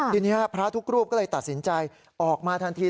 ทีนี้พระทุกรูปก็เลยตัดสินใจออกมาทันที